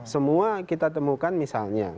semua kita temukan misalnya